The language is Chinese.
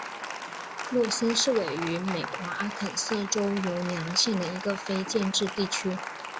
洛森是位于美国阿肯色州犹尼昂县的一个非建制地区。